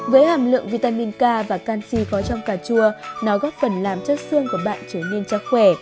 với hàm lượng vitamin k và canxi có trong cà chua nó góp phần làm chất xương của bạn trở nên cho khỏe